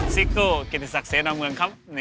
ซิโกเกธีสักเสนาเมือง